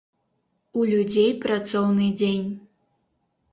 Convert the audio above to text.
У людзей працоўны дзень.